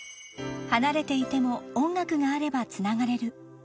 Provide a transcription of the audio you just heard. ［離れていても音楽があればつながれる］